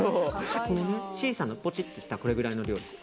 小さなポチっとしたこれぐらいの量です。